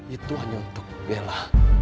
itu hanya untuk bella